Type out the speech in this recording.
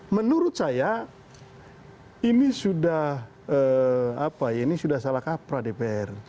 menurut saya ini sudah salah kapra dpr